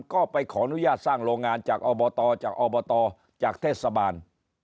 ก็ไปขออนุญาตสร้างโรงงานจากอบตจากอบตจากเทศบาล